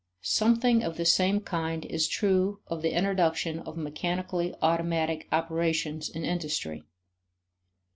Something of the same kind is true of the introduction of mechanically automatic operations in industry.